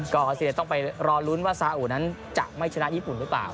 ก็อาเซียต้องไปรอลุ้นว่าซาอุนั้นจะไม่ชนะญี่ปุ่นหรือเปล่า